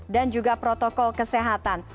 dan juga protokol kesehatan